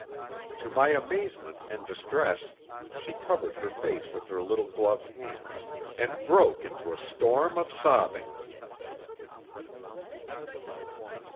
To my amazement and distress, she covered her face with her little gloved hands, and broke into a storm of sobbing.